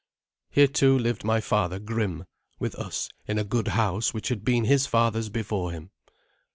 Here, too, lived my father, Grim, with us in a good house which had been his father's before him.